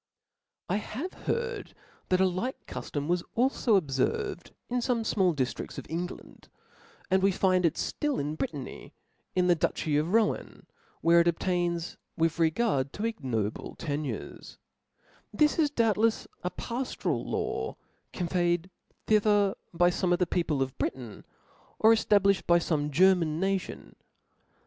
I have heard that a like cuftom was alfo ob jerved in fome fmall diftridls of England t and we find it ftill in Brittany, in the dutchy of Rohan, where it obtains with regard to ignoble tenures^ This is doubtlefs a paftoral law conveyed thither by fome of the people of Britain^ or eftablifhed by fome German natioil.